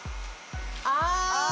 ああ！